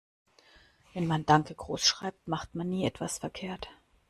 Wenn man "Danke" groß schreibt, macht man nie etwas verkehrt.